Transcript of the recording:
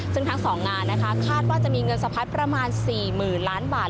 ซึ่งทั้ง๒งานนะคะคาดว่าจะมีเงินสะพัดประมาณ๔๐๐๐ล้านบาท